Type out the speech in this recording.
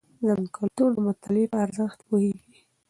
زموږ کلتور د مطالعې په ارزښت پوهیږي.